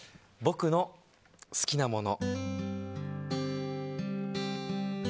「僕の好きなもの」